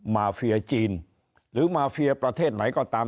มาเฟียจีนหรือมาเฟียประเทศไหนก็ตาม